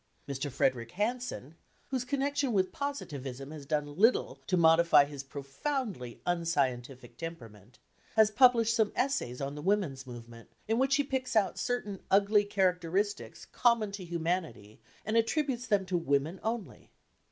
Mr. Frederic Harrison (whose connection with Positivism has done little to modify his profoundly unscientific temperament) has published some essays on the women's movement, in which he picks out certain ugly characteristics common to humanity and attributes them to women only.